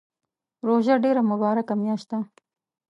روژه ډیره مبارکه میاشت ده